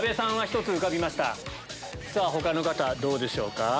他の方どうでしょうか？